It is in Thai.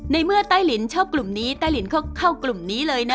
ในเมื่อต้ายลิ้นชอบกลุ่มนี้ต้ายลิ้นเขาเข้ากลุ่มนี้เลยนะ